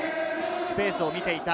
スペースを埋めていった。